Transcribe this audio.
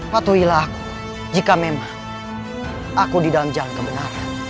patuhilah jika memang aku di dalam jalan kebenaran